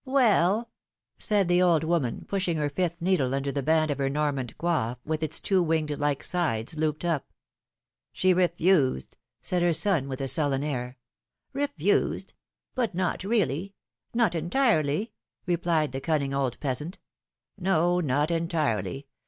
Well?^^ said the old woman, pushing her fifth needle under the band of her Normand coiffe^ with its two winged like sides looped up. ^^She refused,^^ said her son, with a sullen air. ^^Eefused! but not really — not entirely replied the cunning old peasant. No ! not entirely.